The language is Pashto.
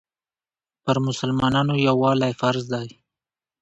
پر مسلمانانو یووالی فرض دی.